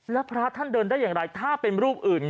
แล้วพระท่านเดินได้อย่างไรถ้าเป็นรูปอื่น